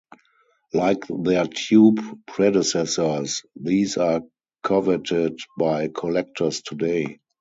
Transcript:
Like their tube predecessors, these are coveted by collectors today.